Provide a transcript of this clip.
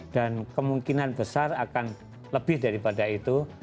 dan kemungkinan besar akan lebih daripada itu